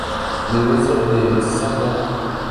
La iglesia de Sta.